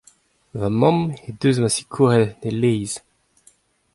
Ma mamm he deus ma sikouret e-leizh.